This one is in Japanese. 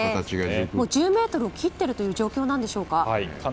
１０ｍを切っている状況なんでしょうか。